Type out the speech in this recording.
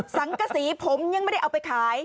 สังกษีผมยังไม่ได้เอาไปขาย